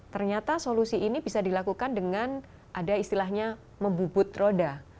ternyata solusi ini bisa dilakukan dengan ada istilahnya membubut roda